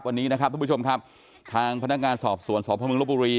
วันนี้นะครับทุกผู้ชมครับทางพนักงานสอบสวนสพมลบบุรี